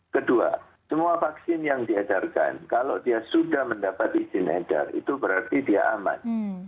kedua semua vaksin yang diedarkan kalau dia sudah mendapat izin edar itu berarti dia aman